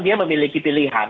dia memiliki pilihan